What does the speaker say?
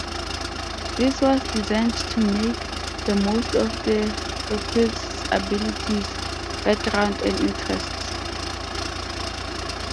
This was designed to make the most of the recruit's abilities, background and interests.